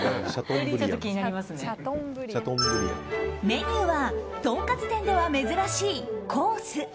メニューはとんかつ店では珍しいコース。